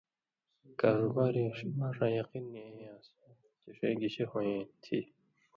کاروباری ماݜاں یقین نی ای یان٘س چےۡ ݜے گِشے ہویں تھی